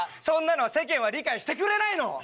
そんなの世間は理解してくれないの。